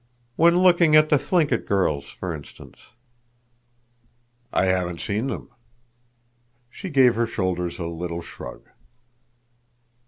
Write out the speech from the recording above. "When looking at the Thlinkit girls, for instance?" "I haven't seen them." She gave her shoulders a little shrug.